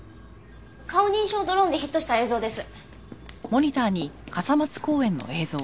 顔認証ドローンでヒットした映像です。